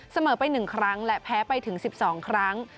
เสมอไป๑ครั้งและแพ้ไปถึง๑๒ครั้ง